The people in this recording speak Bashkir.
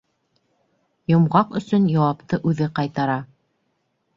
Йомғаҡ өсөн яуапты үҙе ҡайтара: